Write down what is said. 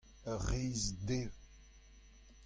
Ar re-se dev.